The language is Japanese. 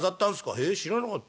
へえ知らなかった。